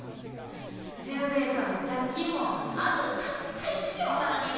獣兵衛さんの借金もあとたった一両なのにな。